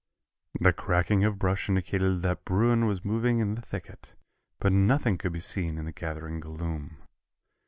The cracking of brush indicated that bruin was moving in the thicket, but nothing could be seen in the gathering gloom.